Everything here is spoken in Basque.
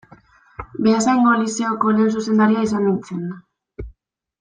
Beasaingo Lizeoko lehen zuzendaria izan nintzen.